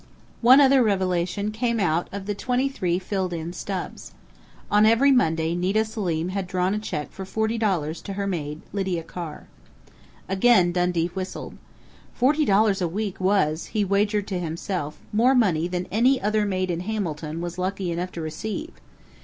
One other revelation came out of the twenty three filled in stubs. On every Monday Nita Selim had drawn a check for $40 to her maid, Lydia Carr. Again Dundee whistled. Forty dollars a week was, he wagered to himself, more money than any other maid in Hamilton was lucky enough to receive!